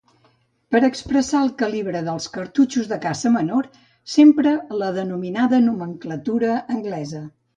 Per a expressar el calibre dels cartutxos de caça menor s'empra la denominada nomenclatura anglesa.